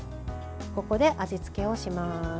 ここで味付けをします。